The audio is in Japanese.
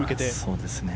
そうですね。